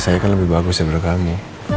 saya kan lebih bagus ya berdua kamu